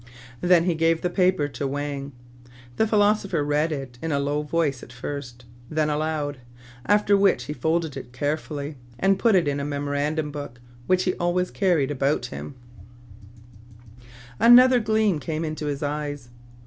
Then he gave the paper to Wang. The philosopher read it in a low voice at first, then aloud, after which he folded it carefully, and put it in a memorandum book which he always carried about him. 88 TRIBULATIONS OF A CHINAMAN, Another gleam came into his eyes.